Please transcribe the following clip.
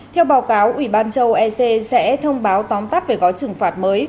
theo báo cáo ủy ban châu âu ec sẽ thông báo tóm tắt về gói trừng phạt mới